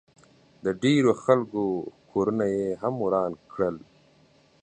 د ډېرو خلکو کورونه ئې هم وران کړل